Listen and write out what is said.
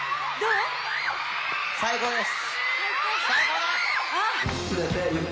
最高です！